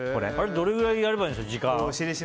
どれぐらいやればいいんですか。